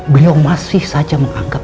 beliau masih saja menganggap